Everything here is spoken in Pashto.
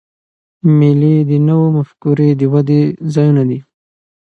مېلې د نوو مفکورې د ودي ځایونه دي.